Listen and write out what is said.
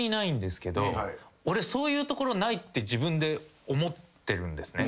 俺そういうところないって自分で思ってるんですね。